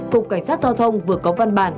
cục cảnh sát giao thông vừa có văn bản